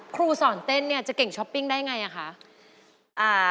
ครูสอนเต้นเนี่ยจะเก่งช้อปปิ้งได้ไงอ่ะคะ